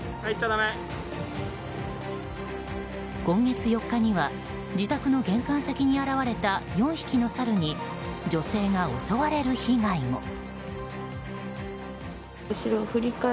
今月４日には自宅の玄関先に現れた４匹のサルに女性が襲われる被害も。